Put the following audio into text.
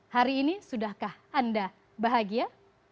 hari ini sudahkah anda bahagia